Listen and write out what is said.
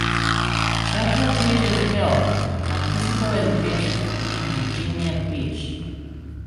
Chaka teaches health and physical education in Virginia Beach.